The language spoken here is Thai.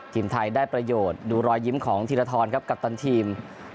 ทีมไทยได้ประโยชน์ดูรอยยิ้มของธีรทรครับกัปตันทีม